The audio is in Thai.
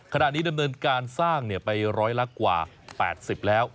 ขณะนี้ดำเนินการสร้างไปร้อยละกว่า๘๐แล้ว